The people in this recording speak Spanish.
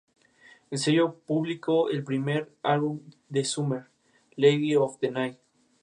Los broches tenían referencias cristianas, con cruces grabadas.